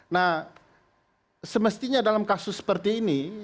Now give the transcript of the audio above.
nah semestinya dalam kasus seperti ini